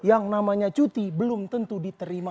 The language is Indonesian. yang namanya cuti belum tentu diterima